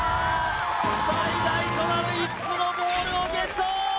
最大となる５つのボールをゲット！